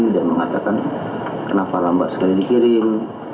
dan mengatakan kenapa lambat sekali dikirim